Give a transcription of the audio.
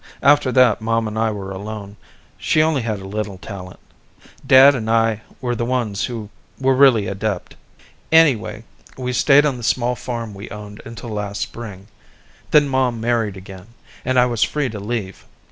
After that, Mom and I were alone. She only had a little talent; Dad and I were the ones who were really adept. Anyway, we stayed on the small farm we owned until last spring. Then Mom married again, and I was free to leave.